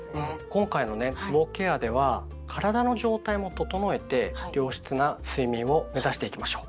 今回のねつぼケアでは体の状態も整えて良質な睡眠を目指していきましょう！